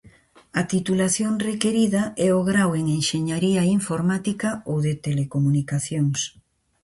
A titulación requirida é o Grao en Enxeñaría Informática ou de Telecomunicacións.